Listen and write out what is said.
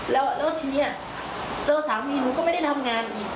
แล้วทีนี้ตัวสามีหนูก็ไม่ได้ทำงานอีก